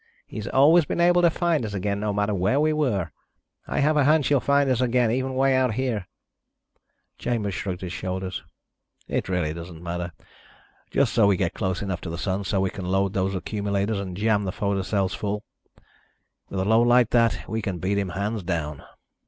He's always been able to find us again, no matter where we were. I have a hunch he'll find us again, even way out here." Chambers shrugged his shoulders. "It really doesn't matter. Just so we get close enough to the Sun so we can load those accumulators and jam the photo cells full. With a load like that we can beat him hands down."